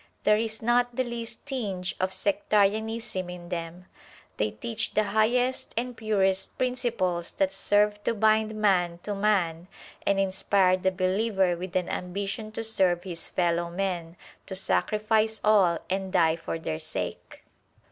There is not the least tinge of sectarianism in them. They teach the highest and purest principles that serve to bind man to man and inspire the believer with an ambition to serve his fellow men, to sacrifice all and die for their sake.